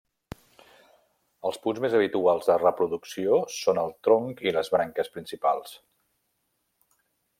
Els punts més habituals de reproducció són el tronc i les branques principals.